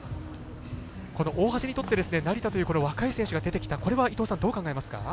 大橋にとって、成田という若い選手が出てきたこれは伊藤さんどう考えますか？